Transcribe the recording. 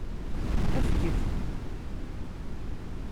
Afget.